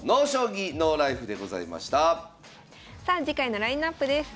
さあ次回のラインナップです。